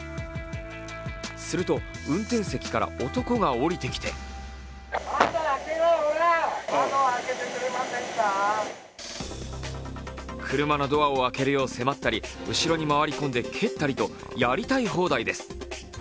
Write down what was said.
すると、運転席から男が降りてきて車のドアを開けるよう迫ったり後ろに回り込んで蹴ったりとやりたい放題です。